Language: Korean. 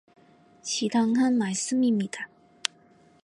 지당한 말씀입니다.